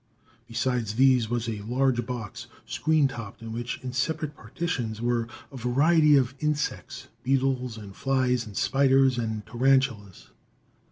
Beside these was a large box, screen topped, in which, in separate partitions, were a variety of insects: beetles and flies and spiders and tarantulas.